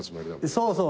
そうそう。